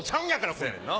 そやねんな。